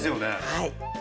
はい。